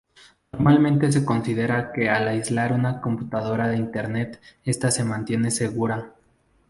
Normalmente se considera que al aislar una computadora de Internet, esta se mantiene segura.